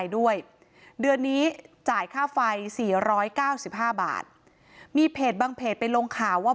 ด้วยเดือนนี้จ่ายค่าไฟ๔๙๕บาทมีเพจบางเพจไปลงข่าวว่า